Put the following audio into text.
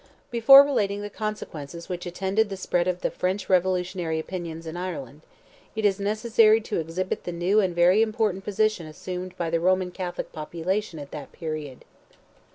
Before relating the consequences which attended the spread of French revolutionary opinions in Ireland, it is necessary to exhibit the new and very important position assumed by the Roman Catholic population at that period.